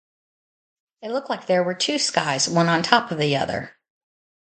It looked like there were two skies, one on top of the other.